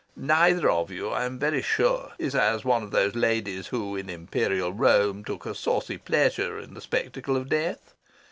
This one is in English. Neither of you, I am very sure, is as one of those ladies who in Imperial Rome took a saucy pleasure in the spectacle of death.